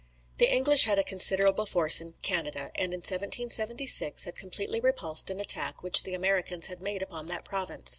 The English had a considerable force in Canada; and in 1776 had completely repulsed an attack which the Americans had made upon that province.